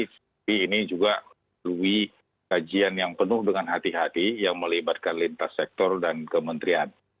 tapi ini juga melalui kajian yang penuh dengan hati hati yang melibatkan lintas sektor dan kementerian